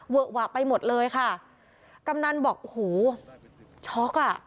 เวอะวะไปหมดเลยค่ะกำนันบอกหูช็อกอ่ะ